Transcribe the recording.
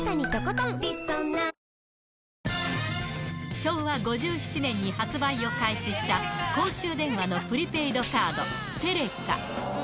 昭和５７年に発売を開始した公衆電話のプリペイドカード、テレカ。